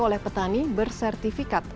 oleh petani bersertifikat